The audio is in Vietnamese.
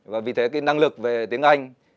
và vì thế cái năng lực về tiếng anh